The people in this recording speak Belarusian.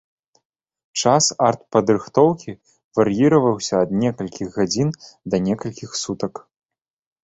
Час артпадрыхтоўкі вар'іраваўся ад некалькіх гадзін да некалькіх сутак.